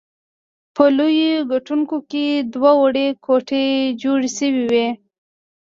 په لویو ګټونو کې دوه وړې کوټې جوړې شوې وې.